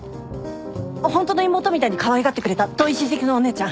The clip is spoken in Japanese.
ホントの妹みたいにかわいがってくれた遠い親戚のお姉ちゃん。